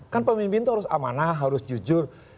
kan pemimpin itu harus amanah harus jujur